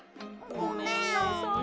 ごめんなさい。